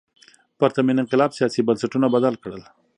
پرتمین انقلاب سیاسي بنسټونه بدل کړل.